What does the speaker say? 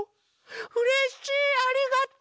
うれしいありがとう！